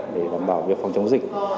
để đảm bảo việc hoạt động